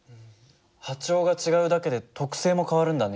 波長が違うだけで特性も変わるんだね。